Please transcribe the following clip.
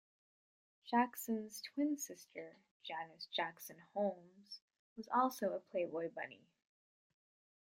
Jackson's twin sister, Janis Jackson Holmes, was also a Playboy Bunny.